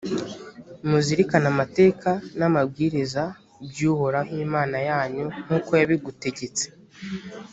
muzirikane amateka n’amabwiriza by’uhoraho imana yanyu, nk’uko yabigutegetse.